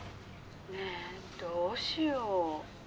☎ねえどうしよう。